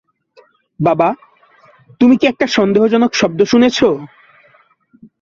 বাবা, তুমি কি একটা সন্দেহজনক শব্দ শুনেছ?